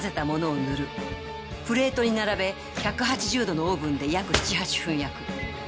プレートに並べ１８０度のオーブンで約７８分焼く。